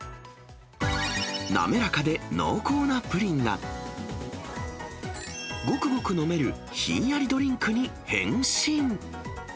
滑らかで濃厚なプリンが、ごくごく飲めるひんやりドリンクに変身。